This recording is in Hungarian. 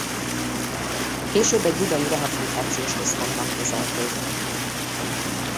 Később egy budai rehabilitációs központban kezelték.